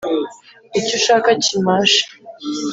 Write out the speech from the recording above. icyo ushaka kimashe”